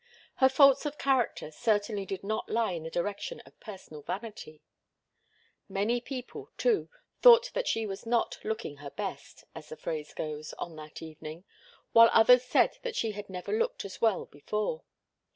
Her faults of character certainly did not lie in the direction of personal vanity. Many people, too, thought that she was not looking her best, as the phrase goes, on that evening, while others said that she had never looked as well before.